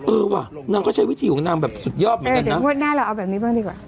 ว่ะนางก็ใช้วิธีของนางแบบสุดยอดเหมือนกันเออเดี๋ยวงวดหน้าเราเอาแบบนี้บ้างดีกว่า